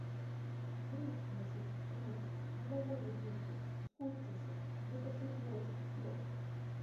Грыз, мусіць, рукі, галавою біўся, скурчыўся, выкаціў вочы, усё.